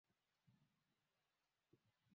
kukua kwa sekta ya viwanda na wafanyabiashara wa